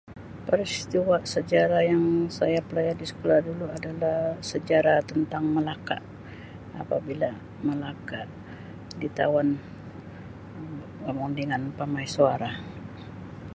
Peristiwa sejarah yang saya belajar di sekolah dulu adalah sejarah tentang Melaka apabila Melaka di tawan Um pemodenan Parameswara.